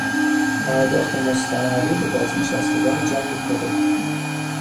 پرداخت مستمری به بازنشستگان جنگ کره